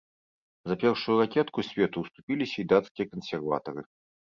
За першую ракетку свету ўступіліся і дацкія кансерватары.